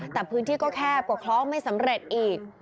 แต่พื้นที่ก็แคบกว่าคล้องไม่สำเร็จอีก